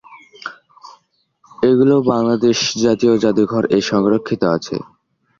এগুলি বাংলাদেশ জাতীয় জাদুঘর-এ সংরক্ষিত আছে।